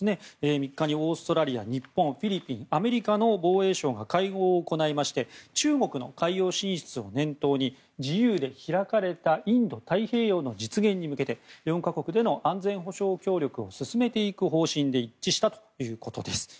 ３日にオーストラリア、日本フィリピン、アメリカの防衛相が会合を行いまして中国の海洋進出を念頭に自由で開かれたインド太平洋の実現に向けて４か国での安全保障協力を進めていく方針で一致したということです。